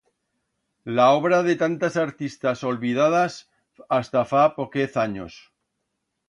La obra de tantas artistas olbidadas hasta fa poquez anyos.